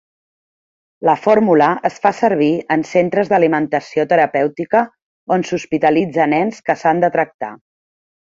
La fórmula es fa servir en centres d'alimentació terapèutica on s'hospitalitza nens que s'han de tractar.